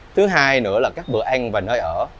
thứ hai nữa là các bữa ăn và nơi ở